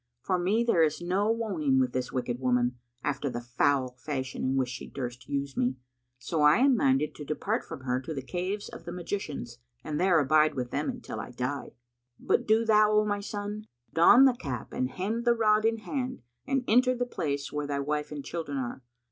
For me there is no woning with this wicked woman, after the foul fashion in which she durst use me; so I am minded to depart from her to the caves of the Magicians and there abide with them until I die. But do thou, O my son, don the cap and hend the rod in hand and enter the place where thy wife and children are.